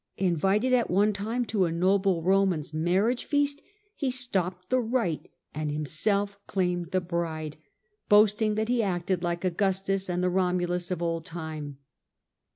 Invited at one time to a noble Roman's marriage feast, he stopped the rite and himself claimed the bride, boasting that he acted like Augustus and the Romulus of old time.